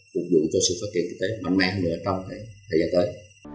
phục vụ cho sự phát triển kinh tế mạnh mẽ hơn nữa trong thời gian tới